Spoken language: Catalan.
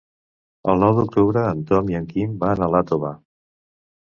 El nou d'octubre en Tom i en Quim van a Iàtova.